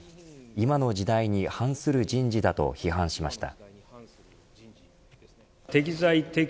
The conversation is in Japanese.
今の時代に反する人事だと批判しました。